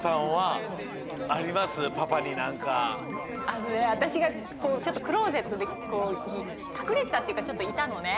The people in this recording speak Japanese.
あのねわたしがちょっとクローゼットでこうかくれてたっていうかちょっといたのね。